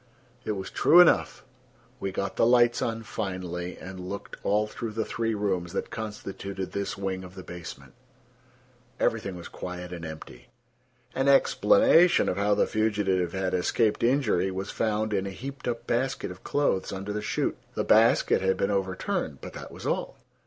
It was true enough. We got the lights on finally and looked all through the three rooms that constituted this wing of the basement. Everything was quiet and empty. An explanation of how the fugitive had escaped injury was found in a heaped up basket of clothes under the chute. The basket had been overturned, but that was all.